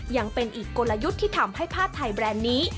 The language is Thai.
ยังเป็นอีกกลยุทธ์ที่ทำให้ผ้าไทยแบรนด์นี้